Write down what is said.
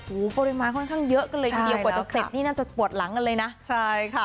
โอ้โหปริมาณค่อนข้างเยอะกันเลยทีเดียวกว่าจะเสร็จนี่น่าจะปวดหลังกันเลยนะใช่ค่ะ